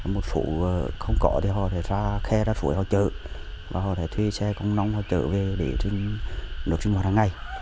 một số không có thì họ sẽ ra khe ra phủy họ chở và họ sẽ thuê xe công nông họ chở về để sinh nước sinh hoạt hàng ngày